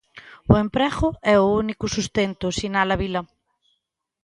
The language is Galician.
"O emprego é o único sustento", sinala Vila.